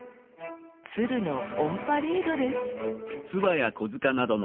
鶴のオンパレードです。